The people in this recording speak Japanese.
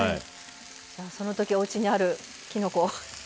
そのときおうちにあるきのこを。